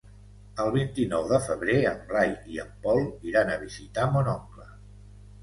El vint-i-nou de febrer en Blai i en Pol iran a visitar mon oncle.